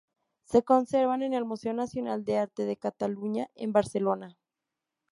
Se conservan en el Museo Nacional de Arte de Cataluña en Barcelona.